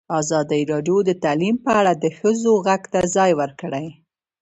ازادي راډیو د تعلیم په اړه د ښځو غږ ته ځای ورکړی.